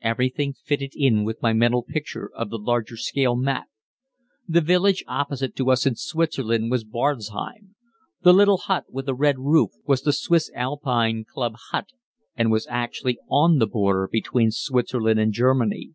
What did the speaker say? Everything fitted in with my mental picture of the large scale map. The village opposite to us in Switzerland was Barzheim; the little hut with a red roof was the Swiss Alpine Club hut, and was actually on the border between Switzerland and Germany.